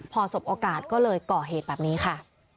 พอสบโอกาสก็เลยก่อเหตุแบบนี้ค่ะ